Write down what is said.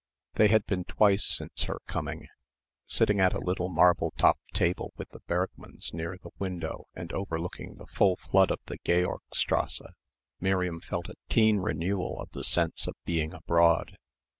They had been twice since her coming. Sitting at a little marble topped table with the Bergmanns near the window and overlooking the full flood of the Georgstrasse Miriam felt a keen renewal of the sense of being abroad.